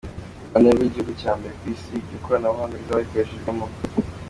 U Rwanda nirwo gihugu cya mbere ku isi, iryo koranabuhanga rizaba rikoreshejwemo.